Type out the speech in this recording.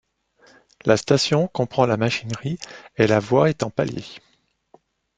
La station comprend la machinerie et la voie est en palier.